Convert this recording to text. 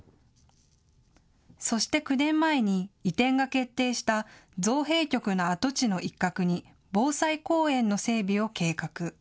そして９年前に移転が決定した造幣局の跡地の一画に防災公園の整備を計画。